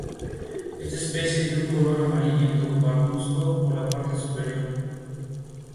Juntos, ella y Hombre Hormiga derrotan al alienígena y vengan a su padre.